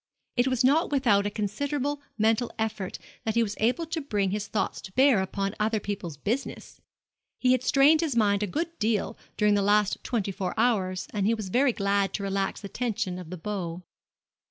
It was not without a considerable mental effort that he was able to bring his thoughts to bear upon other people's business. He had strained his mind a good deal during the last twenty four hours, and he was very glad to relax the tension of the bow.